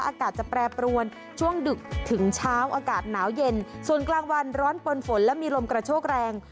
อากาศจะแปรปรวนช่วงดึกถึงเช้าอากาศหนาวเย็นส่วนกลางวันร้อนปนฝนและมีลมกระโชกแรง